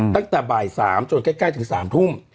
ตั้งแต่บ่าย๓จนใกล้ถึง๓ทุ่ม